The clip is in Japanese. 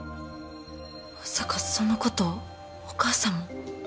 まさかそのことお母さんも。